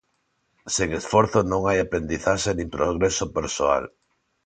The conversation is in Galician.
Sen esforzo non hai aprendizaxe nin progreso persoal.